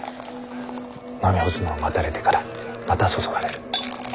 飲み干すのを待たれてからまた注がれる。